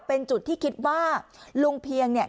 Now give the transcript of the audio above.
เป็นจุดที่คิดว่าลุงเพียงเนี่ย